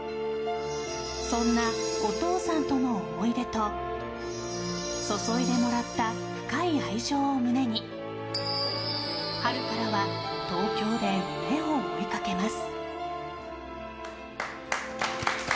そんなお父さんとの思い出と注いでもらった深い愛情を胸に春からは東京で夢を追いかけます。